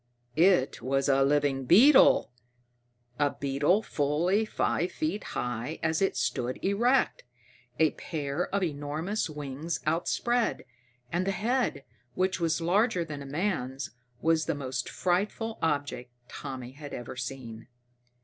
It was a living beetle! A beetle fully five feet high as it stood erect, a pair of enormous wings outspread. And the head, which was larger than a man's, was the most frightful object Tommy had ever seen.